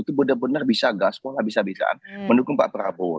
itu benar benar bisa gaspol habis habisan mendukung pak prabowo